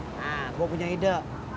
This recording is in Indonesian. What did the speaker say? nah gue punya ide